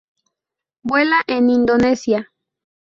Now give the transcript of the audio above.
Vuela en Indonesia.